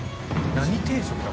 何定食だ？